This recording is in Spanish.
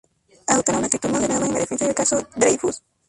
Adoptará una actitud moderada en la defensa del caso Dreyfus.